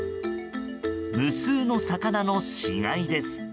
無数の魚の死骸です。